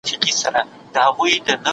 خلک اوس له خوړو وروسته ګرځي.